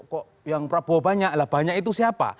kok yang prabowo banyak lah banyak itu siapa